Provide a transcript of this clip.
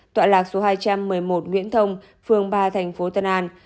tọa lạc số hai trăm một mươi một nguyễn thông phường ba thành phố tân an